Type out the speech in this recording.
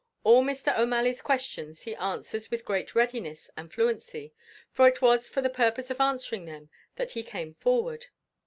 All Mr. O'Malley's questions he answers with great readiness and fluency, for it was for the purpose of answering them that he came forward.